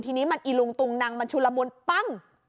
ทีนี้มันอีลุงตุงนังมันชุลมุนปั้ง